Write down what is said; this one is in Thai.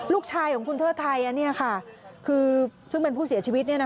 ลูกชายของคุณเทิดไทยคือซึ่งเป็นผู้เสียชีวิต